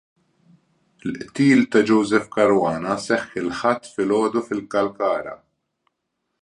Il-qtil ta' Joseph Caruana seħħ il-Ħadd filgħodu fil-Kalkara.